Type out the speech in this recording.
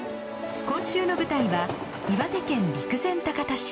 今週の舞台は岩手県陸前高田市。